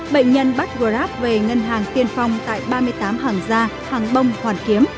bệnh nhân bắt grab về ngân hàng tiên phong tại ba mươi tám hàng gia hàng bông hoàn kiếm